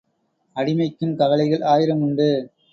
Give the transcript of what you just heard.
அடிமைக்கும் கவலைகள் ஆயிரம் உண்டு!